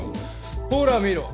ほら見ろ。